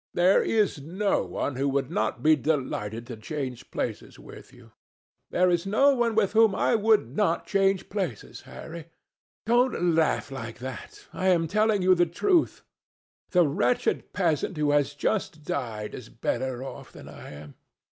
There is no one who would not be delighted to change places with you." "There is no one with whom I would not change places, Harry. Don't laugh like that. I am telling you the truth. The wretched peasant who has just died is better off than I am.